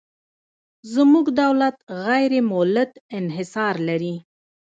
زموږ دولت غیر مولد انحصار لري.